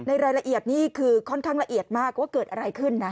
รายละเอียดนี่คือค่อนข้างละเอียดมากว่าเกิดอะไรขึ้นนะ